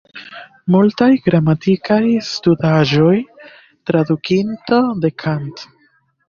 Multaj gramatikaj studaĵoj, tradukinto de Kant.